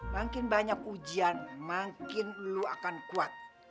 makin banyak ujian makin lo akan kuat